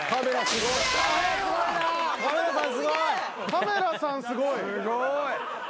カメラさんすごい。